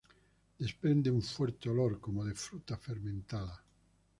Desprende un fuerte olor como de fruta fermentada.